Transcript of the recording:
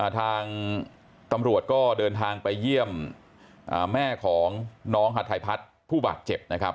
ทางตำรวจก็เดินทางไปเยี่ยมแม่ของน้องฮัทไทยพัฒน์ผู้บาดเจ็บนะครับ